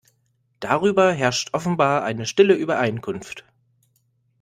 Darüber herrscht offenbar eine stille Übereinkunft.